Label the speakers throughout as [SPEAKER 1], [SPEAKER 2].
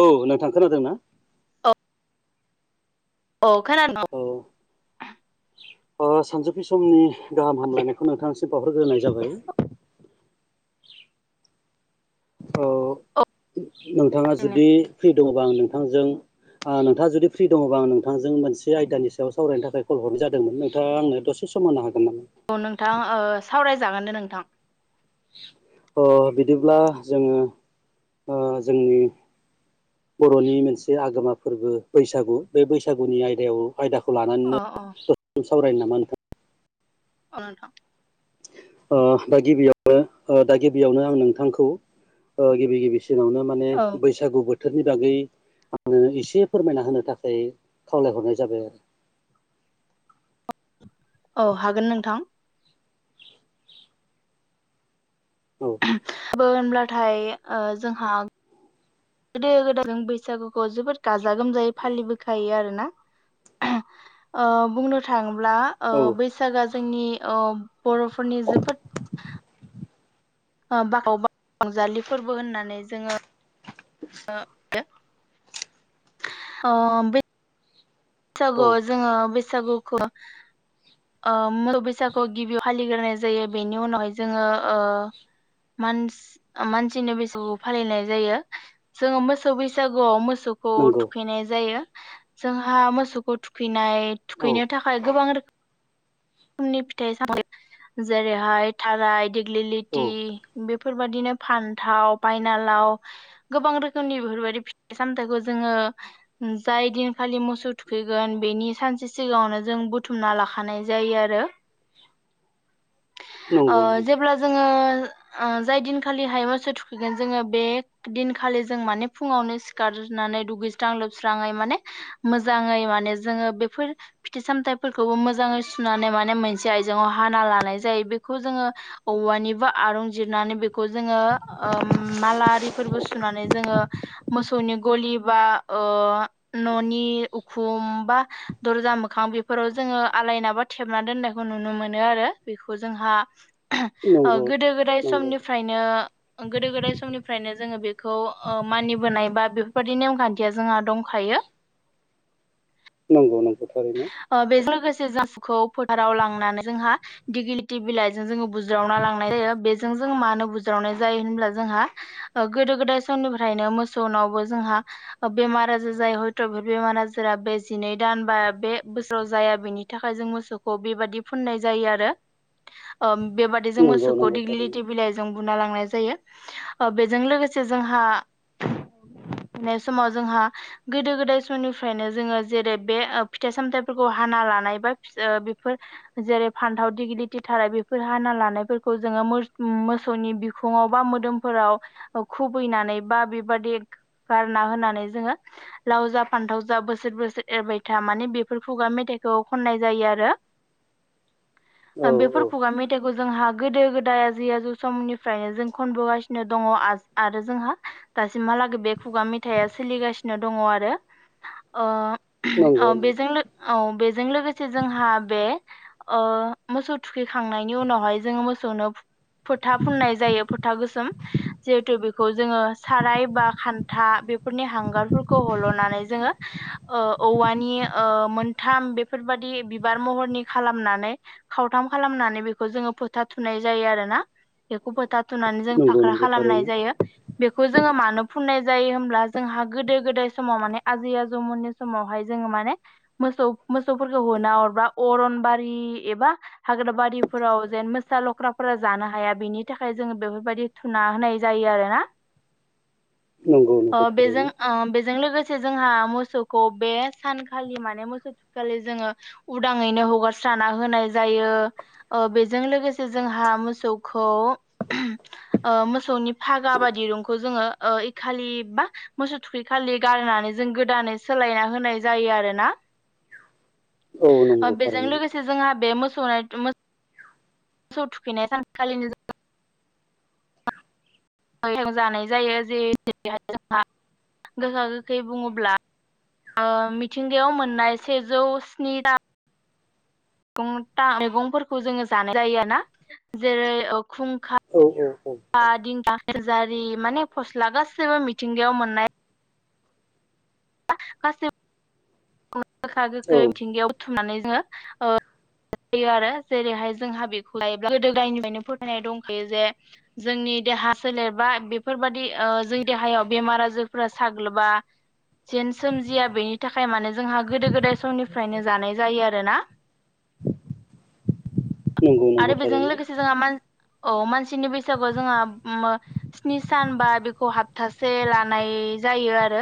[SPEAKER 1] औ नोंथां खोनादोंना
[SPEAKER 2] औ औ खान न [inaudible]
[SPEAKER 1] सानजौफि समनि गाहाम हामलायनायखौ नोंथांसिम बावहरग्रोनाय जाबाय औ नोंथाङा
[SPEAKER 2] थारैनो।
[SPEAKER 1] जुदि फ्रि दङबा आं नोंथांजों नोंथाङा जुदि फ्रि दङबा आं नोंथांजों मोनसे आयदानि सायाव सावरायनो थाखाय कल हरनाय जादोंमोन नोंथाङा आंनो दसे सम होनो हागोन नामा?
[SPEAKER 2] औ नोंथां ओ सावरायजागोन दे नोंथां
[SPEAKER 1] आं बिदिब्ला जोङो ओ जोंनि बर'नि मोनसे आगोमा फोरबो बैसागु बे बैसागुनि आयदायाव आयदाखौ
[SPEAKER 2] अ अ
[SPEAKER 1] लानानैनो सावरायनो नामा नोंथां
[SPEAKER 2] अ नोंथां
[SPEAKER 1] ओ दा गिबियावनो ओ दा गिबियावनो आं नोंथांखौ ओ गिबि गिबिसि सिनावनो माने
[SPEAKER 2] औ
[SPEAKER 1] बैसागु बोथोर थोरनि बागै आङो एसे फोरमायना होनो थाखाय खावलायहरनाय जाबाय आरो [inaudible]
[SPEAKER 2] औ हागोन नोंथां
[SPEAKER 1] आरो औ
[SPEAKER 2] बो होनब्लाथाय ओ जोंहा गोदो गोदाय जों बैसागुखौ जोबोद गाजा गोमजायै फालिबोखायो आरो ना ओ बुंनो थाङोब्ला ओ
[SPEAKER 1] औ
[SPEAKER 2] बैसागोआ जोंनि ओ बर'फोरनि जोबोद ओ बाव रंजालि फोरबो होननानै जोङो [unintelligible] ओ बे
[SPEAKER 1] औ
[SPEAKER 2] बैसागुआव जोङो बैसागुखौ ओ मोसौ बैसागु गिबियाव फालिग्रोनाय जायो बेनि उनावहाय जोङो ओ मानस मानसिनि बैसागुखौ फालिनाय जायो जोङो मोसौ बैसागुआव मोसौ सौखौ
[SPEAKER 1] नंगौ
[SPEAKER 2] थुखैनाय जायो जोंहा मोस सौखौ थुखैनाय
[SPEAKER 1] औ
[SPEAKER 2] थुखैनो थाखाय गोबां रोखोम रोखोमनि फिथाइ साम जेरैहाय थाराय
[SPEAKER 1] औ
[SPEAKER 2] दिग्लिलिथि बे बेफोरबायाददिनो फान्थाव बायनालाव गोबां रोखोमनि बेफोरबायदि फिथाइ सामथायखौ जोङो जाय दिनखालि मोसौ थुखैगोन बेनि सानसे सिगाङावनो जों बुथुमना लाखानाय जायो आरो ओ
[SPEAKER 1] नंगौ
[SPEAKER 2] जेब्ला जोङो ओ जाय दिनखालिहाय मोसौ थुखैगोन जोङो बे दिनखालि जों माने फुङावनो सिखार नानै दुैगैसां लोबस्राै माने मोजाङै मान जोङो माने बेफोर फिथाइ सामथाय खौ मोजांयै सुनानै माने मोनसे आइजेंआव हाना लानाय जायो बेखौ जोङो औवानिबो आरं जिरनानै बे खौ जोङो माला आरि फोरबो सुनानै जोङो मोसौनि गलि बा ओ न'नि उखुम बा दरजा मोखां बेफोराव जोङो आलायनाबा थेबना दोननायखौ नुनो मोनो आरो बेखौ जोंहा ओ
[SPEAKER 1] नंगौ
[SPEAKER 2] गोदो-गोदाय
[SPEAKER 1] नंगौ
[SPEAKER 2] समनिफ्रायनो गोदो-गोदाय समनिफ्रायनो जोङो बेखौ ओ मानिबोनाय बा बेफोरबादि नेमखान्थिया जोंहा दंखायो।
[SPEAKER 1] नंगौ-नं
[SPEAKER 2] अ' बेजों लोगो से [unintelligible] फोथाराव लांनानै जोंहा दिगिलिटि बिलाइजों जोङो बुज्रावना लांनाय जायो बेजों जों मानो बुज्रावनाय जायो होनब्ला जोंहा गोदो-गोदाय समनिफ्रायनो मोसौनावबो जोंहा अ' बेमार-आजार जायो हयथ' बे बेमार-आजारा बे जिनै दान बा बे बोसोराव जाया बेनि थाखाय जों मोसौखौ बेबादि फुननाय जायो आरो ओम बेबादि जों
[SPEAKER 1] नंगौ
[SPEAKER 2] मोसौखौ
[SPEAKER 1] नंगौ थारैनो
[SPEAKER 2] देग्लिलिटि बिलाइजों बुना लांनाय जायो ओ बेजों लोगोसे जोंहा नाय समाव जोंहा गोदो-गोदाय समनिफ्रायनो जोङो जेरै बे ओ फिथाइ-सामथाइफोरखौ हाना लानाय बा फिस ओ बेफोर जेरै फान्थाव दिगिलिटि थारा बेफोर हाना लानायफोरखौ जोङो मोस-मोसौनि बिखुंङाव बा मोदोमफोराव ओ खुबैनानै बा बेबादि गारना होनानै जोङो लाव जा फान्थाव जा बोसोर-बोसोर एरबाय था माने बेफोर खुगा मेथाइखौ खननाय जायो आरो। ओ
[SPEAKER 1] औ
[SPEAKER 2] बेफोर
[SPEAKER 1] औ
[SPEAKER 2] खुगा मेथाइ खौ जोंहा गोदो-गोदाय आजै-आजौ समनिफ्रायनो जों खनबोगासिनो दङ' आस आरो जोंहा दासिमहालागै बे खुगा मेथाइआ सोलिगासिनो दङ' आरो ओ औ
[SPEAKER 1] नंगौ
[SPEAKER 2] बेजोंनो औ बेजों लोगोसे जोंहा बे ओ मोसौ थुखैखांनायनि उनावहाय जोङो मो सौनो फोथा फुननाय जायो फोथा गोसोम जिहेथु बेखौ जोङो साराय बा खान्था बेफोरनि हांगारफोरखौ हल'नानै जोङो ओ औवा नि ओ मोनथाम बेफोरबादि बिबार महरनि खालामनानै खावथाम खालामनानै बेखौ जोङो फोथा थुनाय जायो आरो ना बेखौ फोथा थुनानै जों
[SPEAKER 1] नंगौ
[SPEAKER 2] फाख्रा
[SPEAKER 1] नंगौ
[SPEAKER 2] खालामनाय
[SPEAKER 1] थारैनो
[SPEAKER 2] जायो बेखौ जोङो मानो फुननाय जायो होमब्ला जोंहा गोदो-गोदाय समाव माने आजै-आजौमोननि समावहाय जोङो माने मोसौ-मोसौफोरखौ होना हरबा अरनबारि एबा हाग्राबारि फोराव जेन मोसा लख्राफोरा जानो हाया बिनि थाखाय जोंङो बेफोरबायाददि थुना होनाय जायो आरो ना?
[SPEAKER 1] [inaudible] [unintelligible] नंगौ
[SPEAKER 2] ओ
[SPEAKER 1] नंगौ
[SPEAKER 2] बेजों
[SPEAKER 1] थारैनो
[SPEAKER 2] ओ बेजों लोगोसे जोंहा मोसौखौ बे सानखालि माने मोसौ थुखैखालि जोङो उदाङैनो हगारस्राना होनाय जायो ओ बेजों लोगोसे जोंहा मोसौखौ ओ मोसौनि फागा बा दिरुंखौ जोङो ओ इखालि बा मोसौ थुखैखालि गारनानै जों गोदानै सोलायना होनाय जायो आरो ना
[SPEAKER 1] औ
[SPEAKER 2] ओ
[SPEAKER 1] नंगौ
[SPEAKER 2] बेजों
[SPEAKER 1] थारैनो
[SPEAKER 2] लोगोसे जोहा बे मो सौ थुखैनाय सानखालिनो जोंङो [unintelligible] जानाय जायो जेरैहाय जोंहा गोखा-गोखै बुङोब्ला ओ मिथिंगायाव मोननाय सेजौ स्नि टा मैगंफोरखौ जोङो जानाय जायो आरो ना जेरै ओ
[SPEAKER 1] औ औ
[SPEAKER 2] खुंखा दिंखिया जारि माने फस्ला गासैबो मिथिंगायाव मोननाय गासैबो
[SPEAKER 1] औ
[SPEAKER 2] गोखा-गोखै मिथिंगायाव बुथुमनानै जोङो ओ जायो आरो जेरैहाय जोंहा बेखौहाय गोदो-गोयनिफ्रायनो फोथायनाय दंखायो जे जोंनि देहा सोलेर बा बेफोरबादि ओ जोंनि देहायाव बेमार-आजारफोरा साग्लोबा। जेन सोमजिया बेनि थाखाय माने जोंहा गोदो-गोदाय समनिफ्रायनो जानाय जायो आरो ना?
[SPEAKER 1] नंगौ
[SPEAKER 2] आरो
[SPEAKER 1] नंगौ
[SPEAKER 2] बेजों
[SPEAKER 1] थारैनो
[SPEAKER 2] लोगोसे जोंहा मान औ मानसिनि बैसागुआ जोंहा उम ओ स्नि सान बा बेखौ हाप्थासे लानाय जायो आरो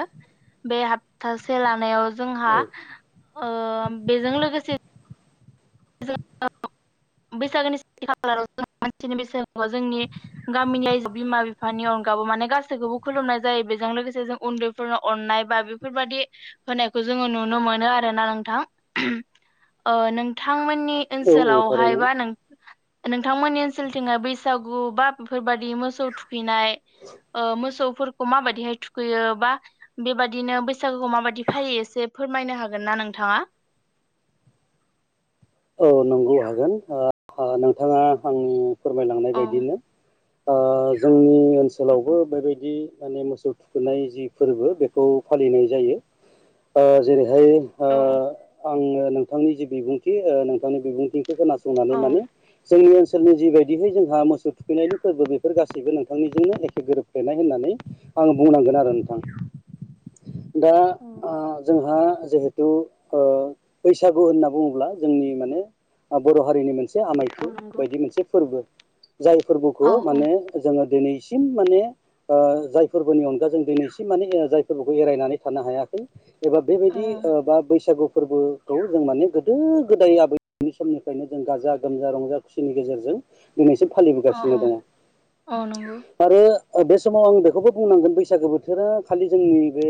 [SPEAKER 2] बे हप्तासे लानायाव जोंहा
[SPEAKER 1] औ
[SPEAKER 2] बेजों लोगोसे [inaudible]
[SPEAKER 1] [inaudible]
[SPEAKER 2] बैसागोनिथि [inaudible] खालाराव जों मानसिनि बैसागु जोंनि गामिनि आइजो बिमा बिफानि अनगाबो माने गासैखौबो खुलुमनाय जायो। बेजों लोगोसे जों उन्दैफोरनो अननाय बा बेफोरबायदि होनायखौ जों नुनो मोनो आरोना नोंथां'। नोंथांमोननि
[SPEAKER 1] औ औ
[SPEAKER 2] ओनसोलावहाय
[SPEAKER 1] थारैनो
[SPEAKER 2] बा नों नोंथांमोननि ओनसोलथिं बैसागु बा बेफोरबादि मोसौ थुखै नाय मोसौ फोरखौ माबाददिहाय थुखैयो बा बेबाददिनो बैसागोखौ माबादि फालि एसे फोरमायनो हागोन ना? नोंथाङा।
[SPEAKER 1] [inaudible] औ नंगौ हागोन नोंथाङा आंनि फोरमायलांनाय
[SPEAKER 2] औ
[SPEAKER 1] बायदिनो जोंनि ओनसोलावबो बेबायदि माने मोसौ थुखोननाय जि फोरबो बेखौ फालिनाय जायो। जेरै
[SPEAKER 2] औ
[SPEAKER 1] आङो नोंथांनि जि बिबुंथि नोंथांनि बिबुंथि खोनासंनानै
[SPEAKER 2] औ
[SPEAKER 1] माने जोंनि ओनसोल ओनसोलनि जिबायदिहै जोंहा मोसौ थुखैनायनि फोरबो बेफोर गासैबो नोंथांनिजोंनो एखे गोरोबफ्लेनाय होननानै आं बुंनांगोन आरो नोंथां दा
[SPEAKER 2] औ।
[SPEAKER 1] ओ जोंहा जिहेथु बैसागु होनना बुङोब्ला जोंनि माने बर' हारिनि मोनसे आमायथु
[SPEAKER 2] औ नंगौ
[SPEAKER 1] बायदि मोनसे फोरबो जाय फोरबोखौ
[SPEAKER 2] औ औ
[SPEAKER 1] माने जोङो दिनैसिम माने जायफोरबोनि अनगा जों दिनैसिम माने जाय फोरबोखौ एरायनानै थानो हायाखै एबा बेबायदि बा बैसागु फोरबोखौ जों माने गोदो गोदाय आबैनि समनिफ्रायनो जों गाजा गोमजा रंजा खुसिनि गेजेरजों दिनैसम
[SPEAKER 2] औ
[SPEAKER 1] फालिबोगासिनो दङ
[SPEAKER 2] औ नंगौ
[SPEAKER 1] आरो बे समाव आं बेखौबो बुंनांगोन बैसागो बोथोरा खालि जोंनि बे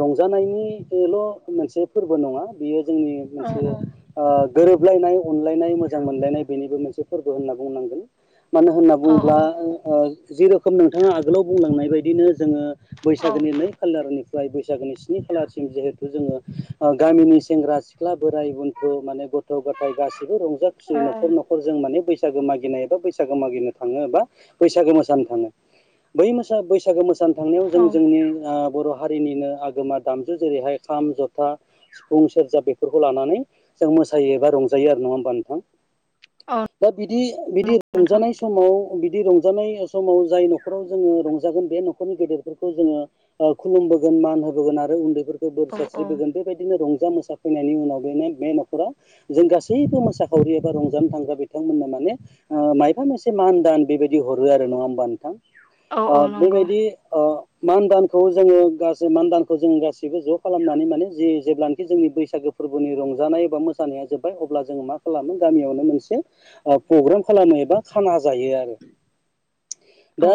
[SPEAKER 1] रंजानायनि बेल' मोनसे फोरबो नङा बेयो जोंनि
[SPEAKER 2] औ
[SPEAKER 1] मोनसे
[SPEAKER 2] औ
[SPEAKER 1] ओ गोरोबलायनाय अनलायनाय मोजां मोनलायनाय बेनिबो मोनसे फोरबो होनना बुंनांगोन। मानो होनना
[SPEAKER 2] औ
[SPEAKER 1] बुङोब्ला
[SPEAKER 2] औ
[SPEAKER 1] जेरोखोम नोंथाङा आगोलाव बुंलांनाय बायदिनो जोङो बैसागोनि नै खालारनि बैसागोनि स्नि खालाारसिम जिहेथु जोङो गामिनि सेंग्रा सिख्ला बोराइ बेन गथ' माने गथ' गथाय गासिबो रंजा खुसिय न'खर न'खर जों मान बैसो बैसागो मागिनाय एबा बैसागो मागिनो थाङो एबा बैसागो मोसानो थाङो। बै म बैसागो मो नो थांनायाव
[SPEAKER 2] औ
[SPEAKER 1] जों जोंनि बर' हारिनिनो आगोमा दामजु जेरैहाय खाम जथा सिफुं सेरजा बेफोरखौ लानानै जों मोसायो एबा रंजायो आरो नङा होमबा नोंथां?
[SPEAKER 2] औ
[SPEAKER 1] दा बिदि बिदि
[SPEAKER 2] नोंथां
[SPEAKER 1] रंजानाय समाव बिदि रंजानाय समाव जाय न'खराव जोङो रंजागोन बे न'खरनि गेदेरफोरखौ जोङो खुलुम गोन मान होबोगोन आरो उन्दैफोरखौ बोर
[SPEAKER 2] औ औ
[SPEAKER 1] सारस्रिबोगोन बेबायदिनो रंजा मोसाफैनायनि उनाव बेनो बे न'खराव जों गासैबो मोसाखावरि एबा रंजानो थांग्रा बिथांमोननो माने मायफा मोनसे मान दान बेबायदि हरो आरो नङा होमबा नोंथां?
[SPEAKER 2] औ औ नंगौ
[SPEAKER 1] बेबायदि मान दानखौ जोङो गासै मान दानखौ जोङो गासिबो ज' खालामनानै माने जि जेब्लानखि जोंनि बैसागो फोरबोनि रं जानाय एबा मोसानाया जोब्बाय अब्ला जोङो मा खालामो गामियावनो मोनसे आ प्रग्राम खालामो एबा खाना जायो आरो
[SPEAKER 2] औ
[SPEAKER 1] दा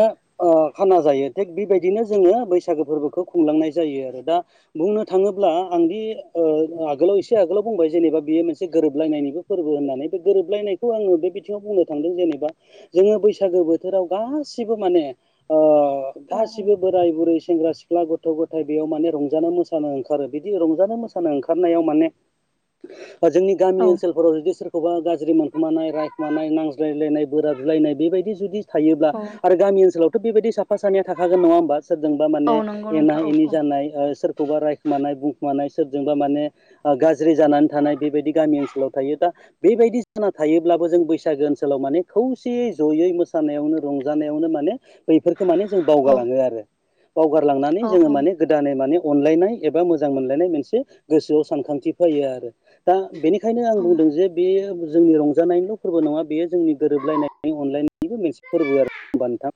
[SPEAKER 1] खाना जायो थिग बेबायदिनो जोङो बैसागो फोरबोखौ खुंलांनाय जायो आरो दा बुंनो थाङोब्ला आंदि ओ आगोलाव एसे आगोलाव बुंबाय जेनेबा बियो मोनसे गोरोबलायनायनिबो फोरबो होननानै बे गोरोबलायनायखौ आङो बे बिथिङाव बुंनो थांदों जेनेबा जोङो बैसागो बोथोराव गासिबो माने आ
[SPEAKER 2] औ
[SPEAKER 1] गासिबो बोराय बुरै सेंग्रा सिख्ला गथ' गथाय बेयाव माने रंजानो मोसानो ओंखारो बिदि रंजानो मोसानो ओंखारनायाव माने [inaudible] जोंनि गामि
[SPEAKER 2] औ
[SPEAKER 1] ओनसोलफोराव जुदि सोरखौबा गाज्रि मोनखुमानाय रायखुमानाय नांज्लायलायनाय बोरादुलायनाय बेबायदि जुदि थायोब्ला
[SPEAKER 2] औ
[SPEAKER 1] आरो गामि ओनसोलावथ' बेबायदि साफा सानैया थाखागोन नङा होमबा सोरजोंबा
[SPEAKER 2] औ नंगौ नोंथां
[SPEAKER 1] मानेनाय
[SPEAKER 2] औ
[SPEAKER 1] एनि
[SPEAKER 2] औ
[SPEAKER 1] जानाय सोरखौबा रायखुमानाय बुंखुमानाय सोरजोंबा माने गाज्रि गाज्रि जानानै थानाय बेबायदि गामि ओनसोलाव थायो दा बेबायदि जाना थायोब्लाबो जों बैसागो ओनसोलाव माने खौसेयै ज'यै मोसानायावनो रंजानायावनो माने बैफोरखौ माने जों
[SPEAKER 2] औ
[SPEAKER 1] बावगारलाङो आरो बावगारलांनानै
[SPEAKER 2] औ
[SPEAKER 1] जोङो
[SPEAKER 2] औ
[SPEAKER 1] माने गोदानै माने अनलायनाय एबा मोजां मोनलायनाय मोनसे गोसोआव सानखांथि फैयो आरो दा बेनि खायनो आं
[SPEAKER 2] औ
[SPEAKER 1] बुंदों जे बे जोंनि रंजानायनिल' फोरबो नङा बेयो जोंनि गोरोबलायनायनि अनलायनायनिबो मोनसे फोरबो आरो हबा नोंथां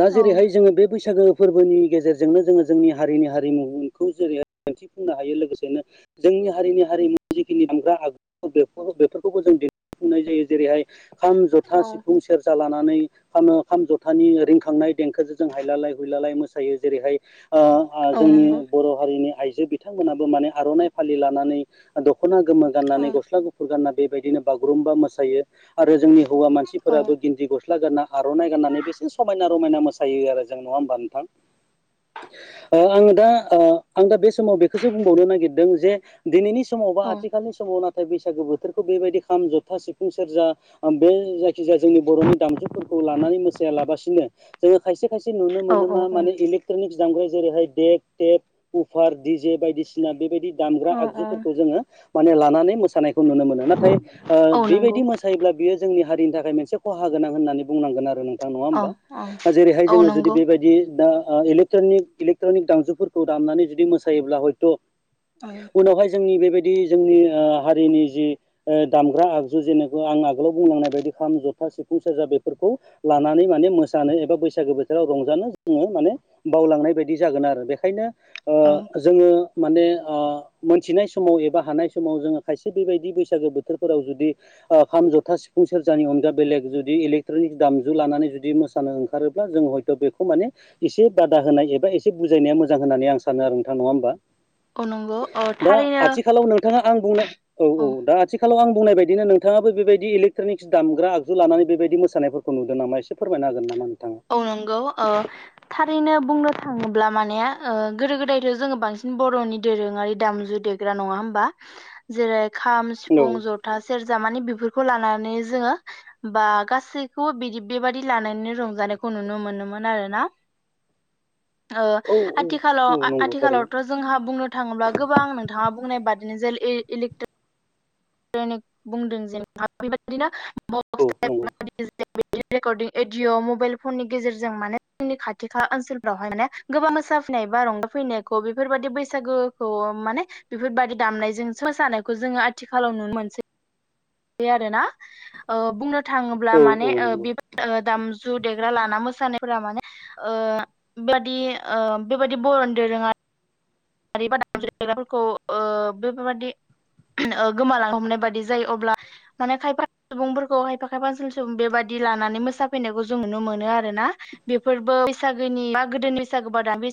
[SPEAKER 1] दा जेरैहाय जोङो बे बैसागो फोरबोनि गेजेरजोंनो जोङो जोंनि हारिनि हारिमुखौ जेरै दिन्थिफुंनो हायो लोगोसेनो जोंनि हारिनि हारिमुनि जिखिनि हामग्रा आगु बे बेफोरखौबो जों दि खुंनाय जायो जेरैहाय खाम, जथा,
[SPEAKER 2] औ
[SPEAKER 1] सिफुं, सेरजा लानानै नै खाम खाम जथानि रिंखांनाय देंखोजों जों हायलालाय हुइलालाय मोसायो जेरैहाय आ
[SPEAKER 2] औ
[SPEAKER 1] जोंनि
[SPEAKER 2] नंगौ
[SPEAKER 1] बर' हारिनि आइजो बिथांमोनाबो माने आर'नाइ फालि लानानै दख'ना गोमो
[SPEAKER 2] औ
[SPEAKER 1] गाननानै गस्ला गुफुर गानना बेबायदिनो बागुरुम्बा मोसायो आरो जोंनि हौवा
[SPEAKER 2] औ
[SPEAKER 1] मानसिफोराबो गिन्दि ग स्ला गारना आर'नाइ गारनानै एसे समायना रमायना मोसायो आरो जों नङा होमबा नोंथां आङो दा आं दा बे समाव बेखौसो बुंबावनो नागिरदों जे दिनैनि समाव बा
[SPEAKER 2] औ
[SPEAKER 1] आथिखालनि समाव नाथाय बैसागो बोथोरखौ बेबायदि खाम जथा सिफुं सेरजा बे जायखिजाया जोंनि बर'नि दामजुफोरखौ खौ लानानै मोसाया लाबासिनो जोङो खायसे खायसे नुनो
[SPEAKER 2] औ
[SPEAKER 1] मोनो
[SPEAKER 2] औ
[SPEAKER 1] मा इलकट्रनिक दामग्रा जेरैहाय देक टेप उफार दिजे बायदिसिना बेबायदि दामग्रा
[SPEAKER 2] औ
[SPEAKER 1] आगुफोरखौ जोङो माने लानानै मो सानायखौ नुनो मोनो नाथाय ओ
[SPEAKER 2] औ नंगौ
[SPEAKER 1] बेबायदि मोसायोब्ला बियो जोंनि हारिनि थाखाय मोनसे खहा गोनां होननानै बुंनांगोन आरो नो नङा
[SPEAKER 2] औ
[SPEAKER 1] होमबा
[SPEAKER 2] औ
[SPEAKER 1] जेरैहाय
[SPEAKER 2] औ
[SPEAKER 1] जोङो जुदि
[SPEAKER 2] नंगौ
[SPEAKER 1] बेबायदि दा इलेक्ट्रनिक इलेक्ट्रनिक दामजुफोरखौ दामनानै जुदि मोसायोब्ला हयथ'
[SPEAKER 2] औ
[SPEAKER 1] उनावहाय जोंनि बे बैदि जोंनि आ हारिनि जि दामग्रा आगजु जेनेबा आं आगोलाव बुंलांनाय बायदि खाम ज थां, खाम, सिफुं, सेरजा बेफोरखौ लानानै माने मोसानो एबा बैसागो बोथोराव रंजानो जोङो माने बावलांनाय बायदि जागोन आरो बेखायनो ओ जोङो माने ओ मोनथिनाय समाव एबा हानाय समाव जोङो खायसे बेबायदि बैसागो बोथोरफोराव जुदि खाम, जथा, सिफुं सेरजानि अनगा बेलेग जुदि इलेक्ट्रनिक दामजु लानानै जुदि मोसानो ओंखारोब्ला जों हयथ' बेखौ माने एसे बादा होनाय एबा एसे बुजायनाया मोजां होननानै आं सानो आरो नोंथां नङा होमबा
[SPEAKER 2] औ नंगौ औ
[SPEAKER 1] दा
[SPEAKER 2] थारैनो
[SPEAKER 1] आथिखालाव नोंथाङा आं बुंनो औ औ दा आथिखालाव आं बुंनाय बायदिनो नोंथाङाबो बेबायदि इलेक्ट्रनिक्स दामग्रा आगजु लानानै बेबायदि मोसानायफोरखौ नुदों नामा एसे फोरमायनोागोन नामा नोंथाङा?
[SPEAKER 2] औ नंगौ ओ थारैनो बुंनो थाङोब्ला माने ओ गोदो गोदायथ' जोङो बांसिन बर'नि दोरोङारि दामजु देग्रा नङा होमबा जेरै खाम,
[SPEAKER 1] औ
[SPEAKER 2] सिफुं, जथा, सेरजा जा माने बेफोरखौ लानानै जोङो बा गासैखौबो बि बेबादि लानानै रंजानाय खौ नुनो मोनोमोन आरोना ओ
[SPEAKER 1] औ औ
[SPEAKER 2] आथिखालाव
[SPEAKER 1] औ नंगौ थारैनो
[SPEAKER 2] आथिखालावथ' जोंहा बुंनो थाङोब्ला गोबां नोंथाङा बुंनाय बाद नो [unintelligible] इलेक्ट्र बुंदों जेनेब बेबायदिनो
[SPEAKER 1] औ
[SPEAKER 2] बक्स
[SPEAKER 1] नंगौ
[SPEAKER 2] रेकर्डिं एडिय' मबाइल फननि गेजेरजों माने जोंनि खाथि खाला ओनसोलफ्रावहाय माने गोबां मोन मोफैनाय बा रंजा फैनायखौ बेफोरबायाददि बैसागुखौ माने बेफोरबायाददि दामनायजों मोसानायखौ खौ जोङो आथिखालाव नुनो मोनसै आरोना बुंनो थाङोब्ला
[SPEAKER 1] औ औ
[SPEAKER 2] माने
[SPEAKER 1] नंगौ
[SPEAKER 2] बिब दामजु देग्रा लाना मोसानायफोरा माने ओ बेबादि ओ बेबायदि बर'नि दोरोङा मबाफोरखौ बेदि ओ गोमालां हमनाय बायदि जायो अब्ला माने खायफा सुबुंफोरखौ खायफा खायफा सुबुं बेबायदि लानानै मोसा फैनायखौ जों नुनो मोनो आरो ना बेफोरबो बैसागोनि बा गोदोनि बैसागो बा दा